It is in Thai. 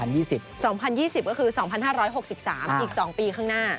๒๐๒๐ก็คือ๒๕๖๓อีก๒ปีข้างหน้า